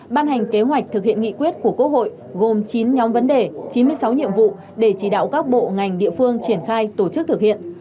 ban hành kế hoạch thực hiện nghị quyết của quốc hội gồm chín nhóm vấn đề chín mươi sáu nhiệm vụ để chỉ đạo các bộ ngành địa phương triển khai tổ chức thực hiện